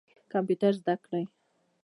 کمپیوټر زده کړئ